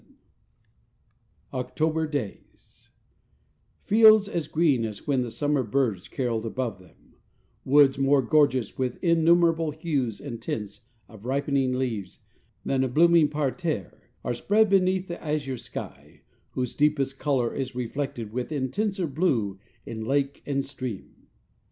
XXXV OCTOBER DAYS Fields as green as when the summer birds caroled above them, woods more gorgeous with innumerable hues and tints of ripening leaves than a blooming parterre, are spread beneath the azure sky, whose deepest color is reflected with intenser blue in lake and stream.